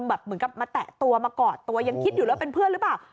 เหมือนกับมาแตะตัวมากอดตัวยังคิดอยู่แล้วเป็นเพื่อนหรือเปล่า